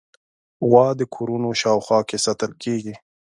غوا د کورونو شاوخوا کې ساتل کېږي.